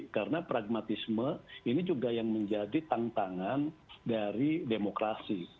karena pragmatisme ini juga yang menjadi tantangan dari demokrasi